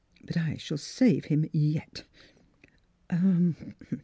But I shall save him yet."